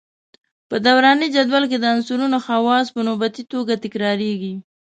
په دوراني جدول کې د عنصرونو خواص په نوبتي توګه تکراریږي.